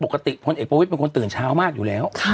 พลเอกประวิทย์เป็นคนตื่นเช้ามากอยู่แล้ว